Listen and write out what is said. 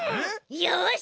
よし！